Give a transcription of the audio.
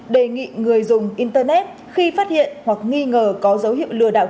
đề nghị người dùng internet khi phát hiện hoặc nghi ngờ có dấu hiệu lừa đảo